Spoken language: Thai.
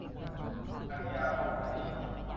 อารียา พรอพเพอร์ตี้